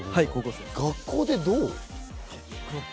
学校でどう？